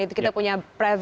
itu kita punya berita